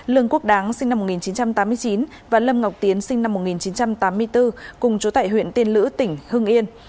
lương quốc đáng sinh năm một nghìn chín trăm tám mươi chín và lâm ngọc tiến sinh năm một nghìn chín trăm tám mươi bốn cùng chú tại huyện tiên lữ tỉnh hương yên